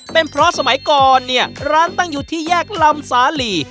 เป็นเพราะสมัยก่อนเนี่ยร้านตั้งอยู่ที่แยกลำสาลี